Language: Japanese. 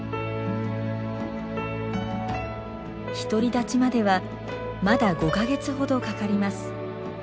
独り立ちまではまだ５か月ほどかかります。